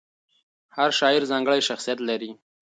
هر شاعر ځانګړی شخصیت لري.